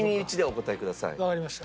わかりました。